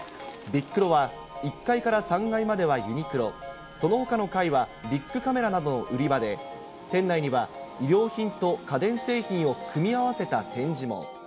ビックロは、１階から３階まではユニクロ、そのほかの階は、ビックカメラの売り場で、店内には衣料品と家電新鮮ですね。